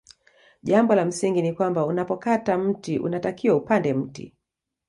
Jambo la msingi ni kwamba unapokata mti unatakiwa upande mti